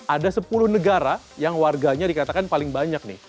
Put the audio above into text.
ada sepuluh negara yang warganya dikatakan paling banyak nih